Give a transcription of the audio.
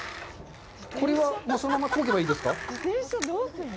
これは、そのままこげばいいですか？